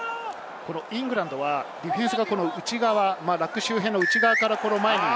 イングランドはディフェンスが内側、ラック周辺の内側から前に。